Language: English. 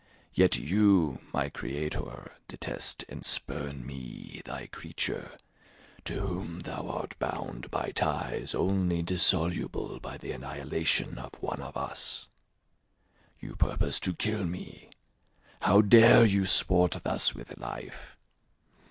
Yet you, my creator, detest and spurn me, thy creature, to whom thou art bound by ties only dissoluble by the annihilation of one of us. You purpose to kill me. How dare you sport thus with life?